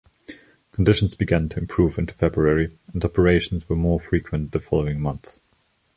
Conditions began to improve into February and operations were more frequent the following month.